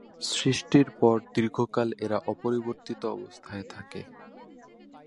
সৃষ্টির পর দীর্ঘকাল এরা অপরিবর্তিত অবস্থায় থাকে।